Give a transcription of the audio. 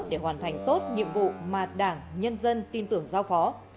để hoàn thành tốt nhiệm vụ mà đảng nhân dân tin tưởng giao phó